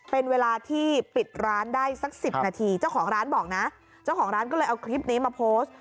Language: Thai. เป็นเวลาที่ปิดร้านได้สัก๑๐นาทีเจ้าของร้านบอกนะเจ้าของร้านก็เลยเอาคลิปนี้มาโพสต์